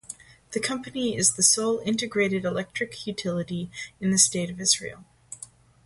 The company is the sole integrated electric utility in the State of Israel.